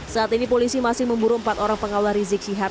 saat ini polisi masih memburu empat orang pengawal rizik syihab